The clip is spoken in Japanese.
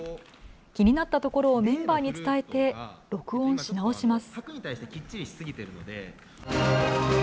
気になったところを、メンバーに伝えて録音し直します。